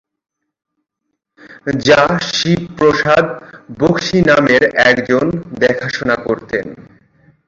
যা শিবপ্রসাদ বক্সী নামের একজন দেখাশোনা করতেন।